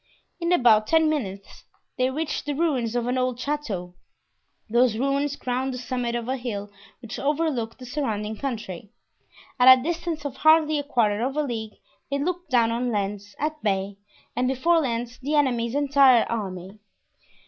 In about ten minutes they reached the ruins of an old chateau; those ruins crowned the summit of a hill which overlooked the surrounding country. At a distance of hardly a quarter of a league they looked down on Lens, at bay, and before Lens the enemy's entire army.